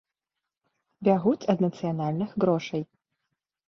Бягуць ад нацыянальных грошай!